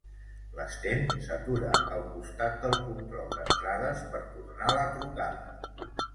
L'Sten s'atura al costat del control d'entrades per tornar la trucada.